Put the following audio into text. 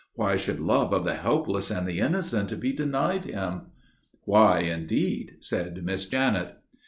Why should love of the helpless and the innocent be denied him?" "Why, indeed?" said Miss Janet.